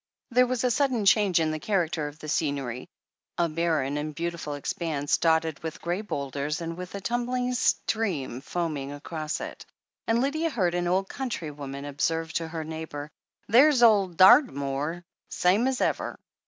There was a sudden change in the character of the scenery — 3. barren and beautiful expanse, dotted with grey boulders and with a tiunbling stream foaming across it — ^and Lydia heard an old cotmtry woman observe to her neighbour : "There's ole Dartymoor, same as ever."